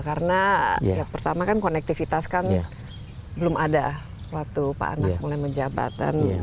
karena pertama kan konektivitas kan belum ada waktu pak anas mulai menjabat